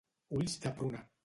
Ulls de pruna.